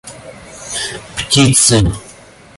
птицы